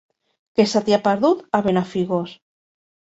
Què se t'hi ha perdut, a Benafigos?